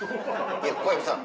いや小籔さん。